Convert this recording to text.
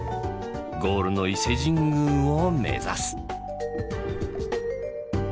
ゴールの伊勢神宮を目指す。